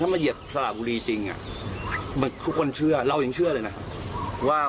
มาเหยียบสระบุรีจริงทุกคนเชื่อเรายังเชื่อเลยนะครับว่า